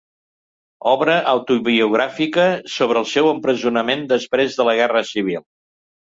Obra autobiogràfica sobre el seu empresonament després de la Guerra Civil.